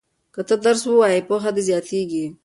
که ته درس ووایې پوهه دې زیاتیږي.